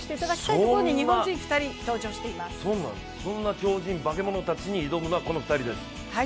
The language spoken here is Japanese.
そんな超人、化け物たちに挑むのはこの２人です。